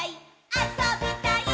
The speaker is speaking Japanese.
あそびたいっ！！」